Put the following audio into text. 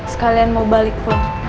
sekalian mau balik pol